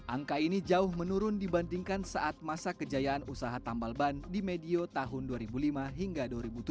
angka ini jauh menurun dibandingkan saat masa kejayaan usaha tambal ban di medio tahun dua ribu lima hingga dua ribu tujuh